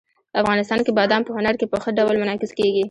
افغانستان کې بادام په هنر کې په ښه ډول منعکس کېږي.